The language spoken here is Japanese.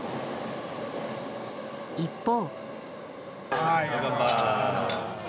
一方。